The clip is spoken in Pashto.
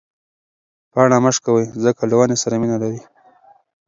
پاڼه مه شکوئ ځکه له ونې سره مینه لري.